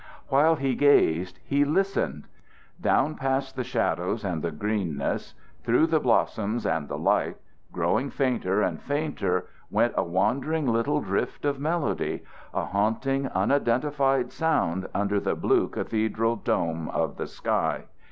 While he gazed, he listened. Down past the shadows and the greenness, through the blossoms and the light, growing fainter and fainter, went a wandering little drift of melody, a haunting, unidentified sound under the blue cathedral dome of the sky.